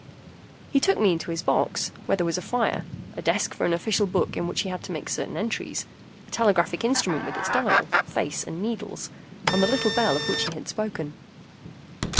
He took me into his box, where there was a fire, a desk for an official book in which he had to make certain entries, a telegraphic instrument with its dial, face, and needles, and the little bell of which he had spoken.